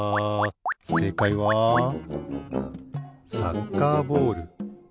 せいかいはサッカーボール。